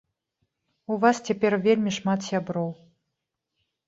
У вас цяпер вельмі шмат сяброў.